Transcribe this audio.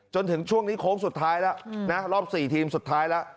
จนถึงช่วงนี้โค้งสุดท้ายแล้วนะรอบ๔ทีมสุดท้ายแล้ว